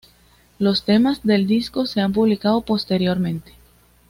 Los temas del disco se han publicado posteriormente.